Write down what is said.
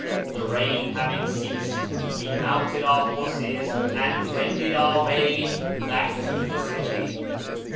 The rain having ceased, we mounted our horses and wended our way back to the city.